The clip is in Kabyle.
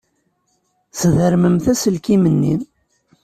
Sdermemt aselkim-nni.